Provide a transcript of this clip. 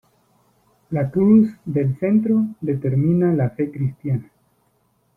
La cruz del centro determina la fe cristiana.